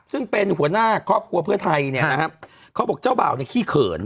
ซึ่งเป็นหัวหน้าครอบครัวเพื่อไทยเนี่ยนะครับเขาบอกเจ้าบ่าวเนี่ยขี้เขิน